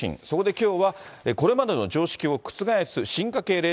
そこできょうは、これまでの常識を覆す、進化系